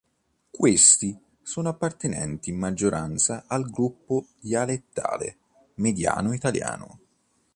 Questi sono appartenenti in maggioranza al gruppo dialettale mediano italiano.